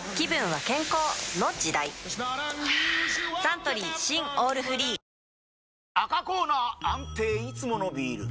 はぁサントリー新「オールフリー」赤コーナー安定いつものビール！